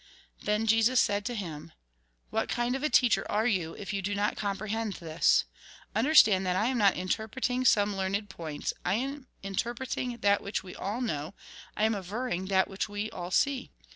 Then Jesus said to him :" What kind of a teacher are you, if you do not comprehend this ? Understand that I am not interpreting some learned points , I am interpreting that which we all know, I am averring that which we all see.